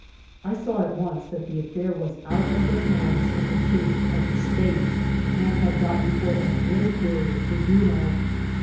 I saw at once that the affair was out of the hands of the chief of the state, and had got before an inferior tribu nal.